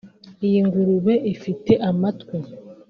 Iyi ngurube ifite amatwi